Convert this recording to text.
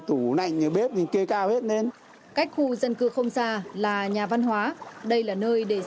tuy nhiên khi nghỉ hè đã đến nhưng nhà văn hóa thì vẫn ngập nước